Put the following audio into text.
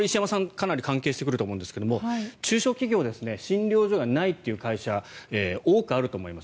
かなり関係してくると思うんですが中小企業ですね診療所がないという会社多くあると思います。